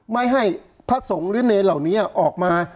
ไม่ให้พระสงฆ์หรือเนรเหล่านี้ออกมา